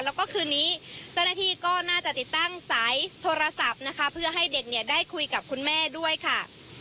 แล้วก็คืนนี้เจ้าหน้าที่ก็น่าจะติดตั้งสายโทรศัพท์นะคะเพื่อให้เด็กเนี่ยได้คุยกับคุณแม่ด้วยค่ะ